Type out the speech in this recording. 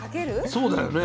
そうだよね。